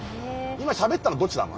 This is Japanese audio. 今しゃべったのどっちなの？